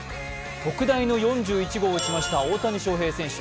特大の４１号を打ちました大谷翔平選手。